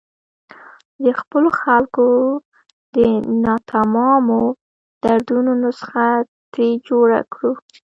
د خپلو خلکو د ناتمامو دردونو نسخه ترې جوړه کړو.